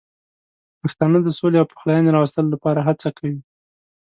پښتانه د سولې او پخلاینې راوستلو لپاره هڅه کوي.